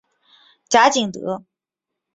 贾景德。